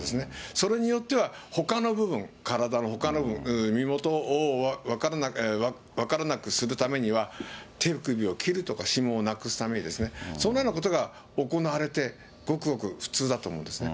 それによっては、ほかの部分、体のほかの部分、身元が分からなくするためには、手首を切るとか、指紋をなくすためにですね、そんなようなことが行われて、ごくごく普通だと思うんですね。